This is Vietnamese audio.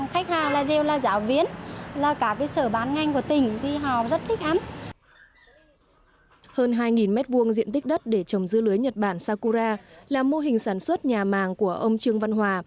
hơn hai m hai diện tích đất để trồng dưa lưới nhật bản sakura là mô hình sản xuất nhà màng của ông trương văn hòa